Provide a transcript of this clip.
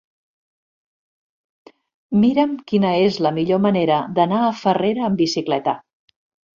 Mira'm quina és la millor manera d'anar a Farrera amb bicicleta.